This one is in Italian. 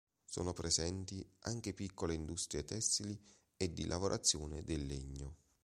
Sono presenti anche piccole industrie tessili e di lavorazione del legno.